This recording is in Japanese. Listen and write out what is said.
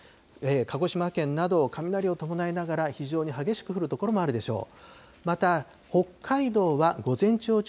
鹿児島県など、雷を伴いながら、非常に激しく降る所もあるでしょう。